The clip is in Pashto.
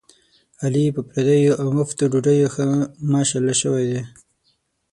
علي په پردیو اومفتو ډوډیو ښه ماشاءالله شوی دی.